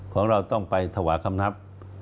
ของเราต้องไปถวายคำนับ